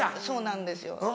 そうなんですよ。